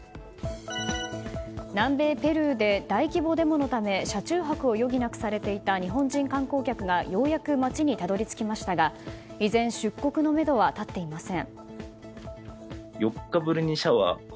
南米ペルーで大規模デモのため車中泊を余儀なくされていた日本人観光客がようやく街にたどり着きましたが依然出国のめどは立っていません。